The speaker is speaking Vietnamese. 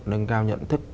nâng cao nhận thức